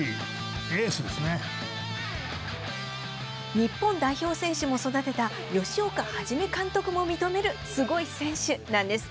日本代表選手も育てた吉岡肇監督も認めるすごい選手なんです。